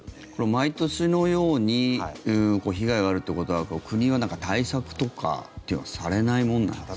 毎年のように被害があるということは国は対策とかされないものなんですか？